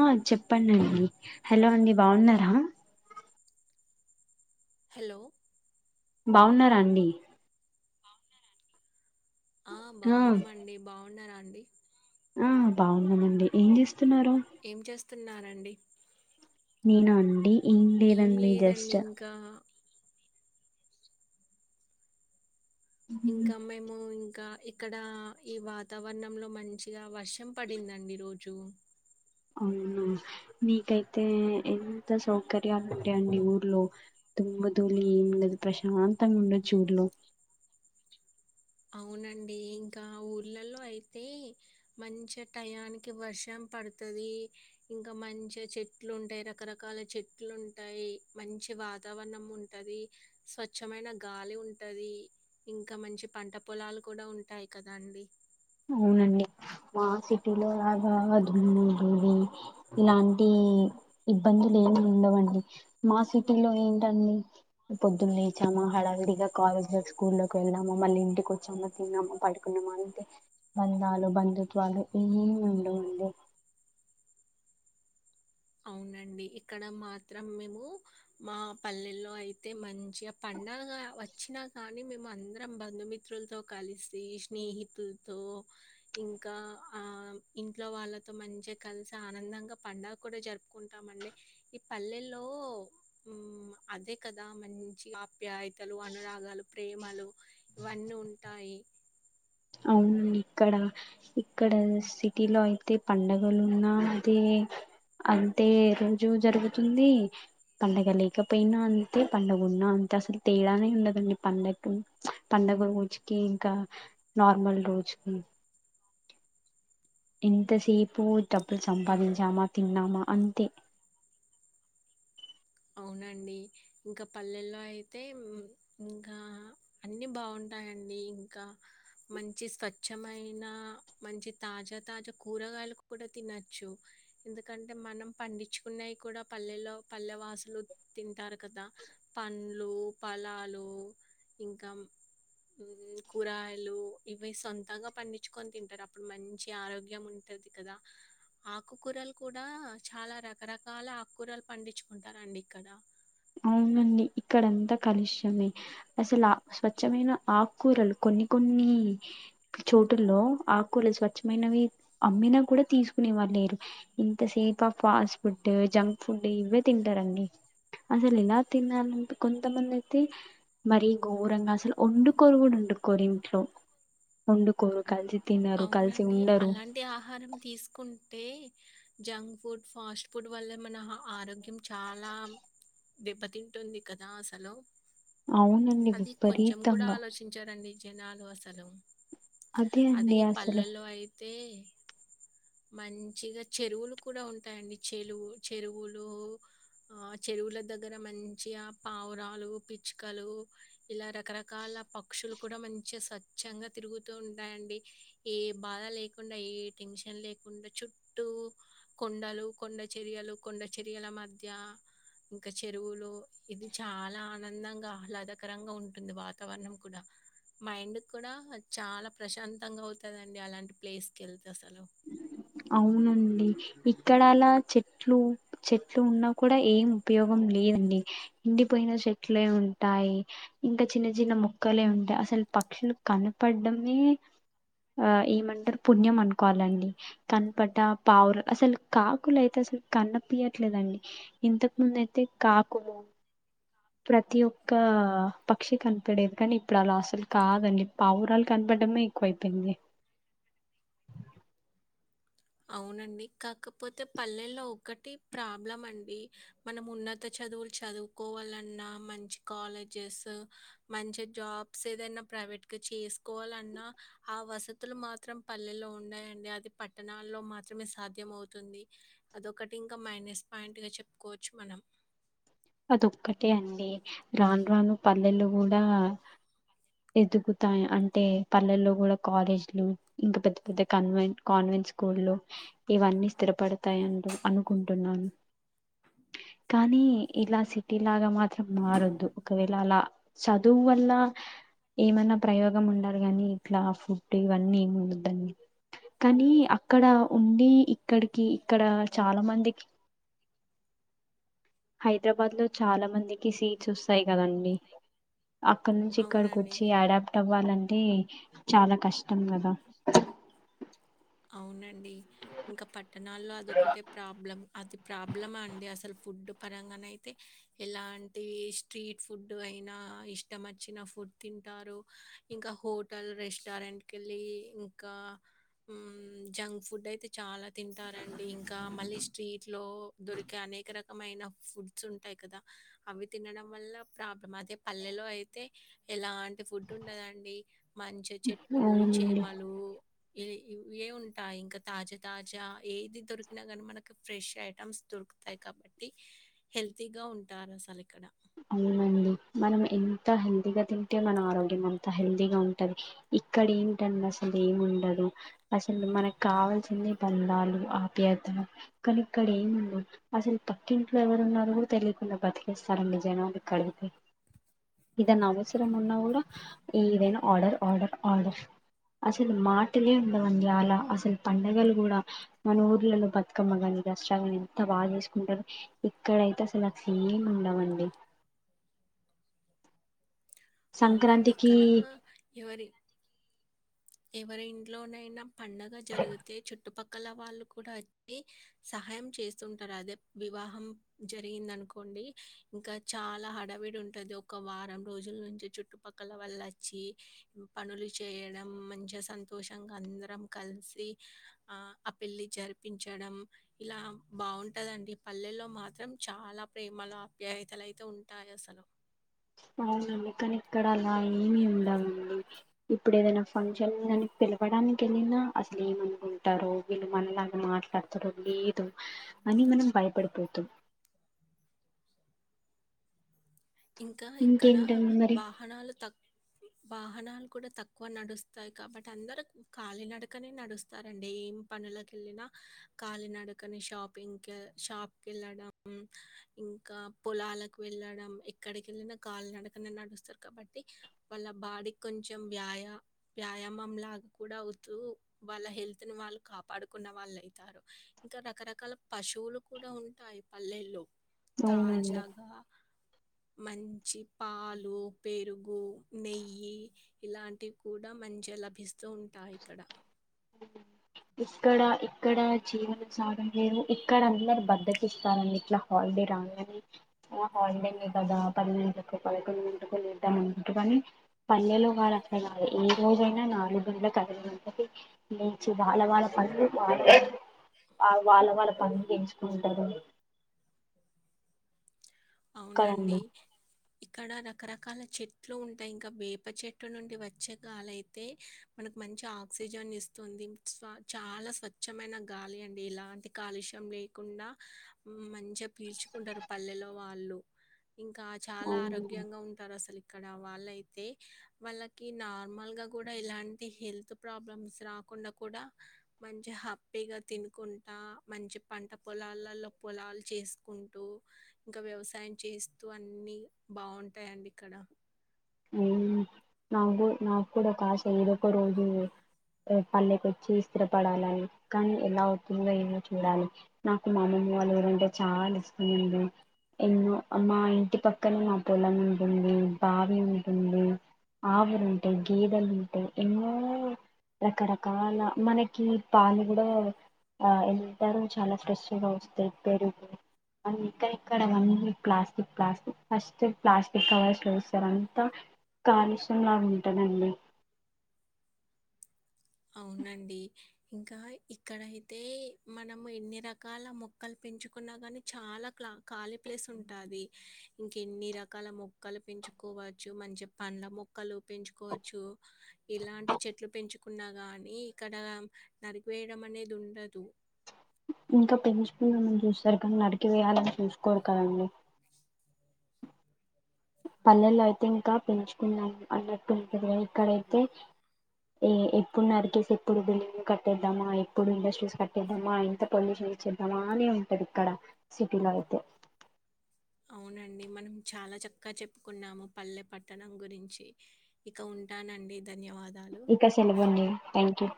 ఆ చెప్పండండి హలో అండి బాగున్నారా హలో బావున్నారా అండి ఆ బావున్నామండి బావున్నారా అండి ఆ బాగున్నామండి ఏం చేస్తున్నారు స్తున్నానండి నేనా అండి ఏం లేదండి ఇంకా మ్మ్. ఇంకా మేము ఇంకా ఇక్కడ ఈ వాతావరణంలో మంచిగా వర్షం పడిందండి ఈ రోజు అవునా నీకైతే ఎంత సౌకర్యాలు ఉంటాయండి ఊర్లో దుమ్ము ధూళి ఏమి ఉండదు ప్రశాంతంగ ఉండొచ్చు ఊర్లో అవునండి ఇంకా ఊర్లలో అయితే మంచి టయానికి వర్షం పడుతుది ఇంకా మంచిగ చెట్లు ఉంటాయి రకరకాల చెట్లు ఉంటాయి మంచి వాతావరణం ఉంటది స్వచ్చ్చమైన గాలి ఉంటది ఇంకా మంచి పంట పొలాలు కూడా ఉంటాయి కదాండి అవునండి మా సిటీ లో లాగా దుమ్ము ధూళి ఇలాంటియి ఇబ్బందులేమి ఉండవండి మా సిటీలో ఏంటండి పొద్దున లేచామా హడవిడిగా కాలేజ్ కో స్కూల్ కో వెళ్ళామా మళ్ళీ ఇంటికి వచ్చామా తిన్నామా పడుకున్నామా అంతే బంధాలు బంధుత్వాలు ఏమి ఉండవండి అవునండి ఇక్కడ మాత్రం మేము మా పల్లెల్లో అయితే మంచిగా పండగ వచ్చినా కా కానీ మేము అందరం బంధుమిత్రులతో కలిసి స్నేహితులతో ఇంకా ఆ ఇంట్లో వాళ్ళతో మంచిగ కలిసి ఆనందంగా పండుగ కూడా జరుపుకుంటామండి ఈ పల్లెలో అదే కదా మంచి ఆప్యాయతలు అనురాగాలు ప్రేమలు ఇవన్నీ ఉంటాయి అవును ఇక్కడ ఇక్కడ సిటీలో అయితే పండగలు ఉన్నా అదే అంతే రోజు జరుగుతుంది పండగ లేకపోయినా అంతే పండగ ఉన్నా అంతే అసలు తేడానే ఉండదండి పండక్కి పండ డగ రోజుకి ఇంకా నార్మల్ రోజుకి ఎంతసేపు డబ్బులు సంపాదించామా తన్నామా అంతే అవునండి ఇంకా పల్లెల్లో అయితే ఇంకా అన్ని బాగుంటా ఉంటాయండి ఇంకా మంచి స్వచ్ఛమైన మంచి తాజా తాజా కూరగాయలు కూడా తినచ్చు ఎందుకంటే మనం పండించుకున్నయి కూడా పల్లెలో పల్లె వాస లు తింటారు కదా పండ్లు ఫలాలు ఇంకా కూరగాయలు ఇవి సొంతంగ పండించుకొని తింటరు అప్పుడు మంచి ఆరోగ్యం ఉంటది తది కదా ఆకుకూరలు కూడా చాలా రకరకాల ఆకుకూరలు పండించుకుంటారు అండి ఇక్కడ అవునండి ఇక్కడంతా కలుష్యమే అసలు స్వచ్ఛమైన ఆకూరలు కొన్ని కొన్ని కొన్ని చోటుల్లో ఆకులు స్వచ్ఛమైనవి అమ్మినా కూడా తీసుకునే లేరు ఎంతసేపు ఆ ఫాస్ట్ ఫుడ్ జంక్ ఫుడ్ ఇవే తింటారండి అసలు ఎలా తినాలంటే కొంతమంది అయితే మరి ఘోరంగా అసలు వండుకోను కూడా వండు కోరు ఇంట్లో వండుకోరు కలిసి తినరు కలిసి అవునండి ఉండరు అలాంటి ఆహారం తీసుకు టే జంక్ ఫుడ్ ఫాస్ట్ ఫుడ్ వల్ల మన ఆరోగ్యం చాలా దెబ్బతింటుంది కదా అసలు అవునండి అది కొంచెం కూడా విపరీతంగా ఆలోచించరండి జనాలు అసలు అదే అండి అసలు తే మంచిగా చెరువులు కూడా ఉంటాయండి చెలువు చెరువులు ఆ చెరువుల దగ్గర మంచిగ పావురాలు పిచ్చుకలు ఇలా రకరకాల ఇల పక్షులు కూడ మంచిగా స్వచ్ఛంగా తిరుగుతూ ఉంటాయండి ఏ బాధ లేకుండా ఏ టెన్షన్ లేకుండ చుట్టూ కొండలు కొండ చెరియలు కొండ చెరియల మధ్య ఇంక చెరువులు ఇది చాలా ఆనందంగా ఆహ్లాదకరంగా ఉంటుంది వాతావరణం కూడ మైండ్ కూడ చాల ప్రశాం తంగా అవుతుందండి అలాంటి ప్లేస్ కి వెళ్తే అసలు అవునండి ఇక్కడ అలా చెట్లు చెట్లు ఉన్నా కూడా ఏం ఉపయోగం లేదండి ఎండిపోయిన చెట్లే ఉంటాయి ఇంకా చిన్న చిన్న మొక్కలే ఉంటాయి అసలు పక్షులు కనపడమే ఆ ఏమంటారు పుణ్యం అనుకోవాలండి కనపడ్ పావుర్ అసలు కాకులు అయితే అసలు కన్న పయట్లేదండి ఇంతకు ముందు అయితే కాకులు ప్రతి ఒక్క పక్షి కనపడేది కానీ ఇప్పుడు అలా అసలు కాదండి పావురాలు కనప డమే ఎక్కువైయింది అవునండి కాకపోతే పల్లెల్లో ఒకటి ప్రాబ్లం అండి మనం ఉన్నత చ చదువులు చదువుకోవాలన్నా మంచి కాలేజెస్ మంచి జాబ్స్ ఏదన ట్ చేసుకోవాలన్నా ఆ వసతులు మాత్రం పల్లెలో ఉన్నాయండి అది ప పట్టణల్లో మాత్రమే సాధ్యం అవుతుంది అదొకటి ఇంకా మైనస్ పాయింట్గా చెప్పుకోవచ్చు మనం అదొక్కటే అండి రాను రాను పల్లెలో కూడ ఎదుగుతా అంటే పల్లెల్లో కూడా కాలేజ లు ఇంకా పెద్ద పెద్ద కాన్వెంట్ కాన్వ స్కూల్ లో ఇవన్నీ స్థిరపడతాయింటూ అనుకుంటున్నాను కానీ ఇలా సిటీ లాగ మాత్రం మారద్దు ఒకవేళ అల చదువు వల్ల ఏమన్నా ప్రయోగం ఉండాలి ని ఇట్లా ఫుడ్ ఇవన్నీ ఏమి ఉండద్దడి కానీ అక్కడ ఉండి ఇక్కడికి ఇక్కడ చాలా మందికి హైదరాబాద్లో చాల మందికి సీట్స్ వస్తాయి కదండి అక్కడ నుంచి ఇక్కడికి అవునండి వచ్చి అడాప్ట్ అవ్వాలని అంటే చాల కష్టం కదా అవునండి ఇంకా పట్టణాల్లో అదిొ ఒకటే ప్రాబ్లం అది ప్రాబ్లమా అండి అసలు ఫుడ్ పరంగాన అయితే ఎలాంటి స్ట్రీట్ ఫుడ్ అయినా ఇష్టం వచ్చిన ఫుడ్ తి టారు ఇంకా హోటల్ రెస్టారెంట్ కెళ్ళి ఇంకా హ్మ్. జంక్ ఫుడ్ అయితే చాల తింటారండి ఇంకా మళ్ళీ స్ట్రీట్ లో దొరికే అనేక రకమైన ఫుడ్స్ ఉంటాయి కదా అవి తినడం వల్ల ప్రాబ్లం అదే పల్లెలో అయితే ఎలా ఫుడ్ ఉండదండి మంచి చెట్లు అవునండి చేమలు ఇ ఇ ఏ ఉంటాయి ఇంకా తాజా తాజా ఏది దొరికినా కానీ మనకి ఫ్రెష్ ఐటమ్స్ దొరుకుతాయి కాబట్టి హెల్తీగా ఉంటారు అసలు ఇక్కడ అవునండి మనం ఎంత హెల్దీగా తింటే మన ఆరోగ్యం అంత హెల్దీగా ఉంటది ఇక్కడ ఏంటండి అసలు ఏమి ఉండదు అసలు మనకు కావాల్సింది బందాలు ఆప కానీ ఇక్కడ ఏముండ అసలు పక్కింట్లో ఎవరున్నారు కూడా తెలియకుండా బతికేస్తారం లే జనాలు ఇక్కడైతే ఇదనా అవసరం ఉన్నా కూడా ఏదైనా ఆర్డర్ ఆర్డర్ ఆర్డర్ అసలు మాటలే ఉండవని చాల అసలు పంండగలు కూడ మన ఊర్లలో బతుకమ్మగాని [unintelligible] ఎంత బాగా చేసుకుంటారు ఇక్కడయితే అసలు నా ఎం ఉండవండి అవునండి సంక్రాంతికి ఇక్కడ ఎవరికి ఎవరి ఇంట్లోనైనా పండగ జరిగితే చుట్టుపక్ క్కల వాళ్ళు కూడ వచ్చి సహాయం చేస్తుంటారు అదే వివాహం జరిగింద అనుకో ఇంకా చాలా అడవిడి ఉంటది ఒక వారం రోజుల నుంచి చుట్టుపక్కల వల్ల వచ్చి పనులు చేయడం మంచిగా సంతోషంగా అందరం కలిసి ఆ ఆ పెళ్లి జరిపించడం ఇలా బాగుంటదండి పల్లెల్లో మాత్రం చాలా ప్రేమలు అప్యాయతలు అయితే ఉంటాయస సలు అవునండి కానీ ఇక్కడ అలా ఏమి ఉండమండి ఇప్పుడు ఏదైనా ఫంక్షన్ కాని పిలవడానికి వెళ్ళినా అసలు ఏమనుకుంటారో వీళ్ళు మనలాగా మాట్లాడతారు లేదో. అని మనం భయపడిపోతమ్ ఇంకా ఇక్కడ ఇంకేంటండి మరి వాహనాలు తక్ వాహనాలు కూడా తక్కువ నడుస్తాయి కాబట్టి అందరుూ కళీ నడకనే నడుస్తారండి. ఏం పనులకెళ్ళినా కాలినడకన షాపింగ్కి షాప్కి వెళ్ళడం. ఇంకా పొలాలకు వెళ్ళడం ఎక్ ఎక్కడికెళ్ళిన కాలు నడకనే నడుస్తరు కాబట్టి వాళ్ళ బాడీకి కొంచెం వ్యాయా వ్యా వమం లాగా కూడా అవుతూ వాళ్ళ హెల్త్ వాళ్ళు కాపాడుకున్న వాళ్ళు అవుతారు ఇంకా రక్ రకరకాల పశువులు కూడా ఉంటాయి పల్లెల్లో అవునండి తాజాగా మంచి పాలు పెరుగు నెయ్యి ఇలాంటివి కూడా మంచిగా లభిస్తూ ఉంటాయి ఇక్కడ. ఉ ఇక్కడ ఇక్కడ జీవన సాగ లేరు ఇక్కడందరు బద్దకి ఇస్తారండి ఇట్లా హాల్ హాలిడే కదా పన్నెండి కో పదకొండింటికో లేద్దామని పల్లెలో కాళ అక్క కాదు ఏ రోజైనా నాలుగుళ్ల కదంతది. నుంచి వాళ్ళ వాళ్ళ పనులు ఆ వాళ్ళ వాళ్ళ పనులు పెంచుకుంటరు. అవునండి. ఇక్కడ రకరకాల చెట్లు ఉంటయ్ ఇంకా వేప చెట్టు నుండి వచ్చే గాలి అయితే మనకు మం మంచి ఆక్సిజన్ ఇస్తుంది స్ చాలా స్వచ్ఛమైన గాలి అండి ఇలాంటి కాలుష్యం లే కుండా మంచిగా పీల్చుకుంటారు పల్లెల్లో. వాళ్ళు ఇంకా చాలా అవును ఆరోగ్యంగా ఉంటారు అసలు. ఇక్కడ వాళ్ళ అయితే వాళ్ళకి నార్మల్ గా కూడా ఇలాంటి హెల్త్ ప్రాబ్లమ్స్ రా కాకుండా కూడా మంచి హ్యాపీగా తినుకుంటా మంచి పంట పొలాలల్లో పొలా చేసుకుంటూ ఇంకా వ్యవసాయం చేస్తూ అన్నీ బాగుంటాయండి ఇక్కడ. నాగు నాకు కూడా కాశ ఎదకరుదు. పల్లెకొచ్చి స్థిరపడాలని కానీ ఎలా అవుతుందో ఏమో చూడాలి నాకు మామూ లా ఊరు అంటే చాలా స్పీడ్ ఎన్నో మా ఇంటి పక్కనే మా పొలం ఉంటుంది బావి ఉంటుంది. ఆవులు ఉంటయ్ గేదలు ఉంటయ్ ఎన్నో రకరకాల మనకి పాలు కూడా ఆ ఎంటారు చాలా స్ట్రెస్ వస్తంది పేరు మ ఇక్క ఇక్కడ వన్న plastic plastic first plastic covers చూస్తారని అ కాలుష్యంలా ఉంటుదండి అవునండి. ఇంకా ఇక్కడయితే మనము ఎన్ని రకాల మొక్కలు పెంచుకున్నా గాని చాలా ఖాళీ ప్లేస్ ఉంటాది ఇంక ఎన్ని రకాల మొక్కలు పెంచుకోవచ్చు మంచి పండ్ ల మొక్కలు పెంచుకోవచ్చు ఇలాంటి చెట్లు పెంచుకొ ఉన్నా గాని ఇక్కడ నరికి వేయడం అనేది ఉండదు. ఇంకా పెంచుకునిన్నం చూస్తారు కానీ నడికి వేయాలని చూసుకోరు కదం పల్లెల్లో అయితే ఇంకా పెంచుకున్నాం అన్నట్టు ఉంటది ఇక్కడైతే ఎప్పుడు నరికేస్ ఎప్పుడు బిల్డింగ్లు కట్టేద్దామా ఎప్పుడు ఇండస్ట్రీస్ కట్టేద్దామా ఇంత పొల్యూషన్ ఇచ్చేద్దామా అనే ఉంటది ఇక్కడ సిటీలో అయితే అవునండి మనం చాలా చక్కగా చెప్పుకున్నాము పల్లె పట్టణం గురించి ఇక ఉంటా ంటానండి ధన్యవాద్ ఇక సెలవు అండి థ్యాంక్ యూ